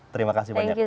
terima kasih banyak fai